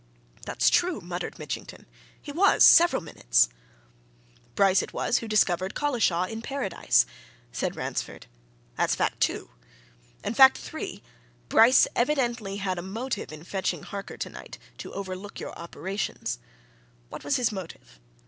"That's true," muttered Mitchington. "He was several minutes!" "Bryce it was who discovered Collishaw in Paradise," said Ransford. "That's fact two. And fact three Bryce evidently had a motive in fetching Harker tonight to overlook your operations. What was his motive?